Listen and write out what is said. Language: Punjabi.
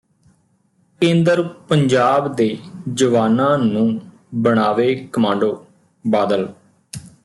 ਕੇਂਦਰ ਪੰਜਾਬ ਦੇ ਜਵਾਨਾਂ ਨੂੰ ਬਣਾਵੇ ਕਮਾਂਡੋ ਬਾਦਲ